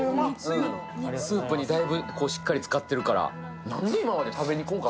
スープにだいぶしっかりつかってるから。